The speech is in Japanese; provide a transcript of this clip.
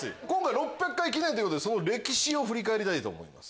６００回記念ということで歴史を振り返りたいと思います。